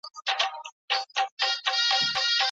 سیندونه بې کبانو نه وي.